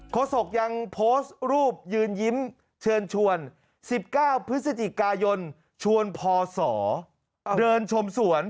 โศกยังโพสต์รูปยืนยิ้มเชิญชวน๑๙พฤศจิกายนชวนพศเดินชมสวน